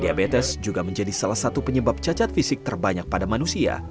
diabetes juga menjadi salah satu penyebab cacat fisik terbanyak pada manusia